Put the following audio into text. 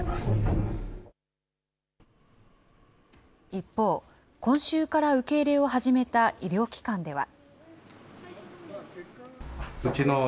一方、今週から受け入れを始めた医療機関では。